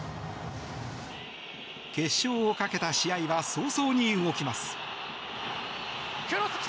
決勝をかけた試合は早々に動きます。